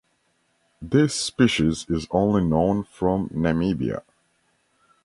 This species is only known from Namibia.